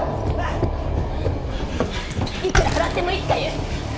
いくら払ってもいつか言う